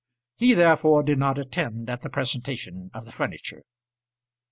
He therefore did not attend at the presentation of the furniture.